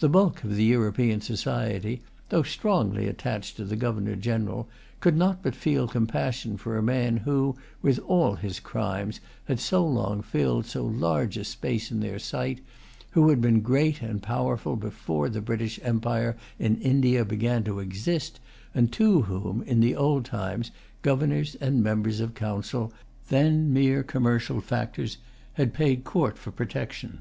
The bulk of the European society, though strongly attached to the Governor General, could not but feel compassion for a man who, with all his crimes, had so long filled so large a space in their sight, who had been great and powerful before the British empire in India began to exist, and to whom, in the old times, governors and members of council, then mere commercial factors, had paid court for protection.